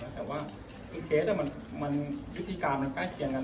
แต่ว่าคือเกษตรมันวิธีการมันใกล้เคียงกัน